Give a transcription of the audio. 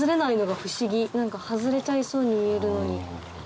何か外れちゃいそうに見えるのに。